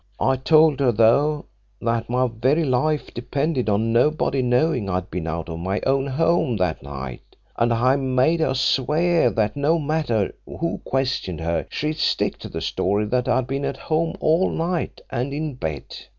I told her, though, that my very life depended on nobody knowing I'd been out of my own home that night, and I made her swear that no matter who questioned her she'd stick to the story that I'd been at home all night, and in bed.